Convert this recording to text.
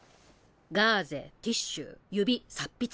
ガーゼティッシュ指擦筆。